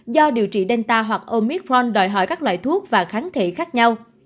do điều trị delta hoặc omitron đòi hỏi các loại thuốc và kháng thể khác nhau